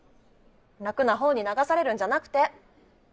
楽な方に流されるんじゃなくて。